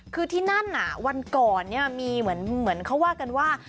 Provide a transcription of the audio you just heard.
คือที่นั่นวันก่อนมีเหมือนเขาว่ากันว่า